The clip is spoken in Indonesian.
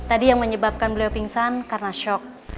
tadi yang menyebabkan beliau pingsan karena shock